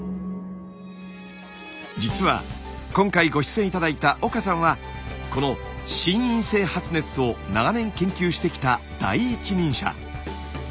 実は今回ご出演頂いた岡さんはこの心因性発熱を長年研究してきた第一人者。